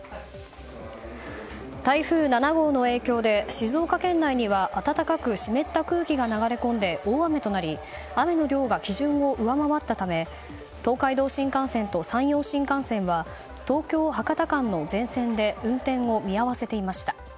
台風７号の影響で静岡県内には暖かく湿った空気が流れ込んで大雨となり雨の量が基準を上回ったため東海道新幹線と山陽新幹線は東京博多間の全線で運転を見合わせていました。